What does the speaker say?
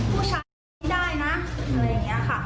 ผู้ชายตอบไม่ได้นะอะไรอย่างนี้ค่ะ